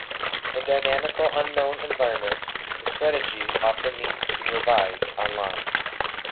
In dynamically unknown environments, the strategy often needs to be revised online.